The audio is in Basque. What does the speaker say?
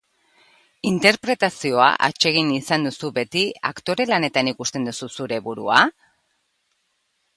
Interpretazioa atsegin izan duzu beti, aktore lanetan ikusten duzu zure burua?